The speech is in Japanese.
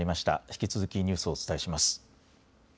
引き続きニュースをお伝えします。